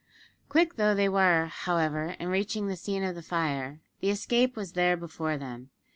Quick though they were, however, in reaching the scene of the fire, the escape was there before them.